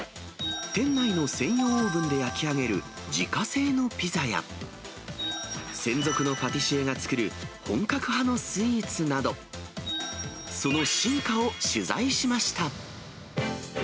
店内の専用オーブンで焼き上げる自家製のピザや、専属のパティシエが作る本格派のスイーツなど、その進化を取材しました。